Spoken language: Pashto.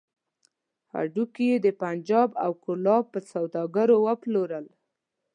هډوکي يې د پنجاب او کولاب پر سوداګرو وپلورل.